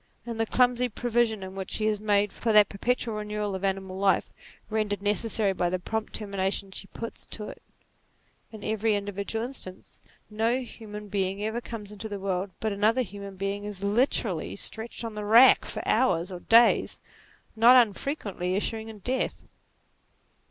In the clumsy provision which she has made for that perpetual renewal of animal life, rendered necessary by the prompt termina tion she puts to it in every individual instance, no human being ever comes into the world but another human being is literally stretched on the rack for hours or days, not unfrequently issuing in death.